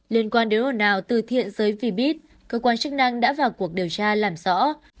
liên quan đến ồn ào từ thiện giới vbit cơ quan chức năng đã vào cuộc điều tra làm rõ